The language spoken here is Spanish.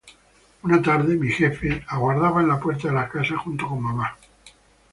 Una tarde, mi jefe, aguardaba en la puerta de la casa, junto con mama.